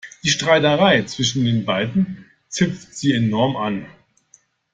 Die Streiterei zwischen den beiden zipft sie enorm an.